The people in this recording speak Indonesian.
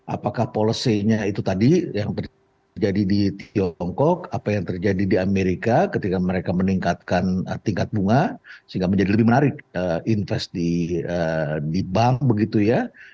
apakah policy nya itu tadi yang terjadi di tiongkok apa yang terjadi di amerika ketika mereka meningkatkan tingkat bunga sehingga menjadi lebih menarik invest di bank begitu ya